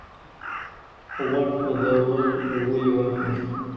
غوړ سوځول ولې وخت نیسي؟